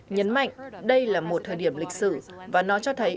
nhấn mạnh đây là một thời điểm lịch sử và nó cho thấy